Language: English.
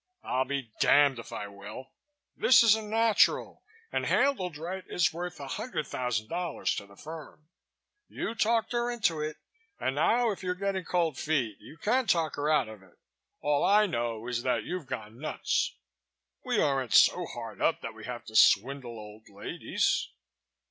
"I'll be damned if I will. This is a natural and, handled right, is worth $100,000 to the firm. You talked her into it and now if you're getting cold feet you can talk her out of it. All I know is that you've gone nuts." "We aren't so hard up that we have to swindle old ladies."